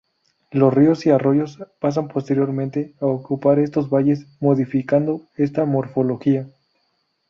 Los ríos y arroyos pasan, posteriormente, a ocupar estos valles, modificando esta morfología.